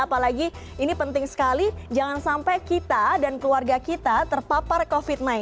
apalagi ini penting sekali jangan sampai kita dan keluarga kita terpapar covid sembilan belas